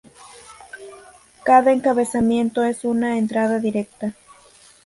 Cada encabezamiento es una entrada directa.